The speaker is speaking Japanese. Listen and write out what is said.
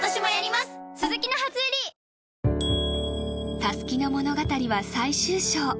たすきの物語は最終章。